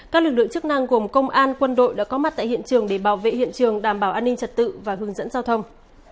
các lực lượng chức năng gồm công an quân đội đã có mặt tại hiện trường để bảo vệ hiện trường đảm bảo an ninh trật tự và hướng dẫn giao thông